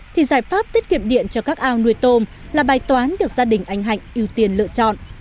thì giải pháp tiết kiệm điện cho các ao nuôi tôm là bài toán được gia đình anh hạnh ưu tiên lựa chọn